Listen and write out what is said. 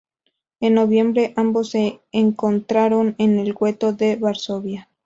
En noviembre ambos se encontraron en el gueto de Varsovia.